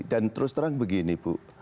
dan terus terang begini bu